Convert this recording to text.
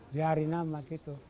dari nama gitu